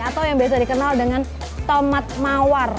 atau yang biasa dikenal dengan tomat mawar